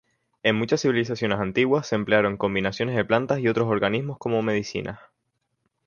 En muchas civilizaciones antiguas se emplearon combinaciones de plantas y otros organismos como medicinas.